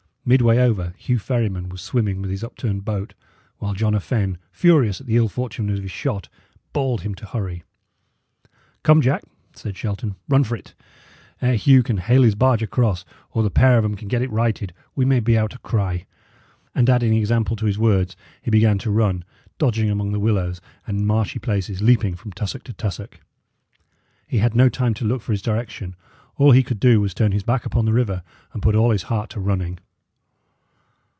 Midway over, Hugh Ferryman was swimming with his upturned boat, while John a Fenne, furious at the ill fortune of his shot, bawled to him to hurry. "Come, Jack," said Shelton, "run for it! Ere Hugh can hale his barge across, or the pair of 'em can get it righted, we may be out of cry." And adding example to his words, he began to run, dodging among the willows, and in marshy places leaping from tussock to tussock. He had no time to look for his direction; all he could do was to turn his back upon the river, and put all his heart to running.